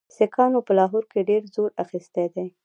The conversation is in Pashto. سیکهانو په لاهور کې ډېر زور اخیستی دی.